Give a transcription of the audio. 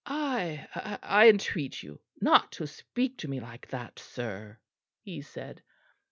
"I I entreat you not to speak to me like that, sir," he said.